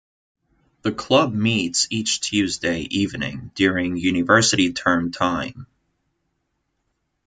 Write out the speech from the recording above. The Club meets each Tuesday evening during University term time.